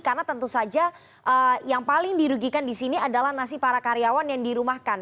karena tentu saja yang paling dirugikan disini adalah nasib para karyawan yang dirumahkan